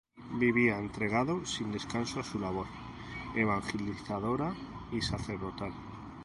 Vivía entregado sin descanso a su labor evangelizadora y sacerdotal.